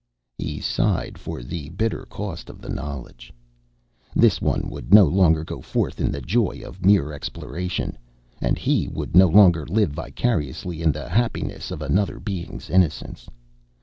He sighed for the bitter cost of knowledge. This one would no longer go forth in the joy of mere exploration, and he would no longer live vicariously in the happiness of another being's innocence.